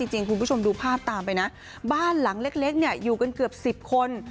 คุณผู้ชมดูภาพตามไปนะบ้านหลังเล็กอยู่กันเกือบ๑๐คน